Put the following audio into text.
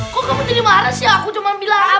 kok kamu jadi marah sih aku cuma bilang